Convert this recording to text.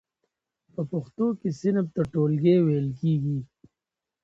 په پښتو کې صنف ته ټولګی ویل کیږی.